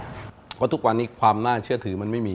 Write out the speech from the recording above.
เพราะทุกวันนี้ความน่าเชื่อถือมันไม่มี